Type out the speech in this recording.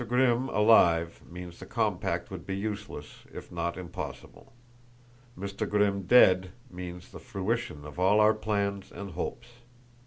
Grimm alive means the compact would be useless, if not impossible; Mr. Grimm dead means the fruition of all our plans and hopes.